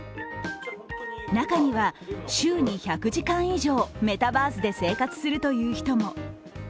中には週に１００時間以上メタバースで生活するという人も。